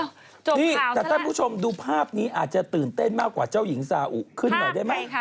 นี่แต่ท่านผู้ชมดูภาพนี้อาจจะตื่นเต้นมากกว่าเจ้าหญิงซาอุขึ้นหน่อยได้ไหม